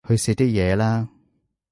去食啲嘢啦